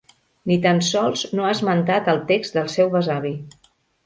Ni tan sols no ha esmentat el text del seu besavi.